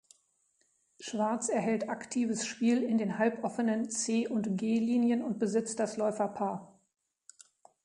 Schwarz erhält aktives Spiel in den halboffenen c- und g-Linien und besitzt das Läuferpaar.